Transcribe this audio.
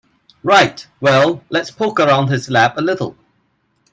Right, well let's poke around his lab a little.